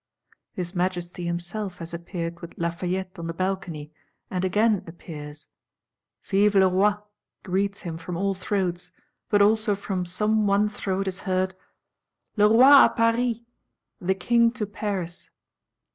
_ His Majesty himself has appeared with Lafayette on the balcony, and again appears: Vive le Roi greets him from all throats; but also from some one throat is heard 'Le Roi à Paris, The King to Paris!